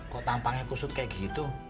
kok tampangnya kusut kayak gitu